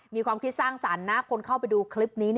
มีความคิดสร้างสรรค์นะคนเข้าไปดูคลิปนี้